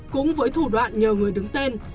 cũng với thủ đoạn nhờ người đứng tên